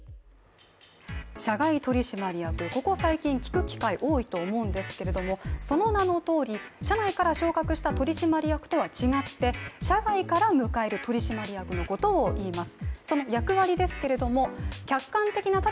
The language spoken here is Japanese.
社外取締役、ここ最近聞く機会、多いと思うんですけれどもその名のとおり、社内から昇格した取締役とは違って社外から迎える取締役のことをいいます。